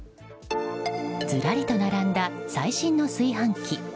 ずらりと並んだ最新の炊飯器。